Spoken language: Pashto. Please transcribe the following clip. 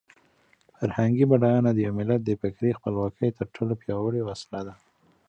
فرهنګي بډاینه د یو ملت د فکري خپلواکۍ تر ټولو پیاوړې وسله ده.